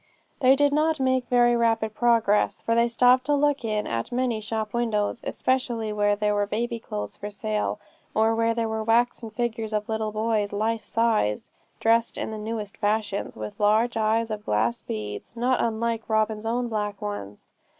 They did not make very rapid progress, for they stopped to look in at many shop windows, especially where there were baby clothes for sale, or where there were waxen figures of little boys, life size, dressed in the newest fashions, with large eyes of glass beads, not unlike Robin's own black ones.